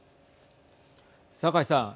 酒井さん。